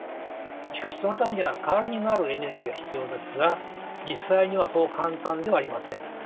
しかしそのためには代わりになるエネルギーが必要ですが実際にはそう簡単ではありません。